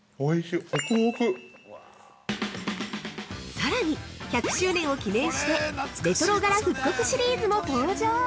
◆さらに１００周年を記念してレトロ柄復刻シリーズも登場。